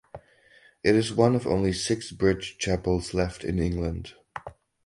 It is one of only six bridge chapels left in England.